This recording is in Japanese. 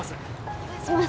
お願いします